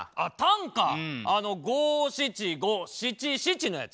あの「五七五七七」のやつ？